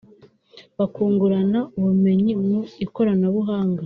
bakungurana ubumenyi mu ikoranabuhanga